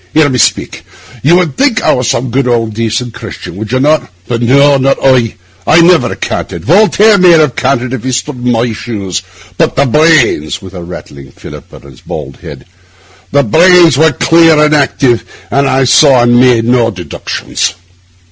Hear me speak. You would think I was some good, old, decent Christian, would you not? But no, not I; I never canted. Voltaire might have canted if he'd stood in my shoes; but the brains'—with a rattling fillip on his bald head—'the brains were clear and active, and I saw and made no deductions.